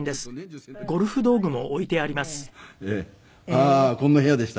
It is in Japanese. ああこんな部屋でした。